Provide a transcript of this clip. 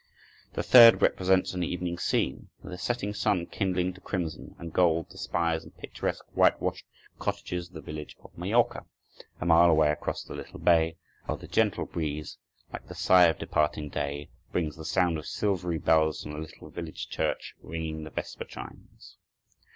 The third represents an evening scene, with the setting sun kindling to crimson and gold the spires and picturesque whitewashed cottages of the village of Majorca, a mile away across the little bay, while the gentle breeze, like the sigh of departing day, brings the sound of silvery bells from the little village church ringing the vesper chimes.